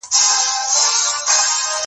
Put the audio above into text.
پاکوالی وکړه،